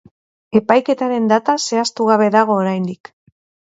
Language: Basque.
Epaiketaren data zehaztu gabe dago oraindik.